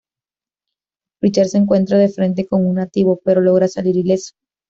Richard se encuentra de frente con un nativo, pero logra salir ileso.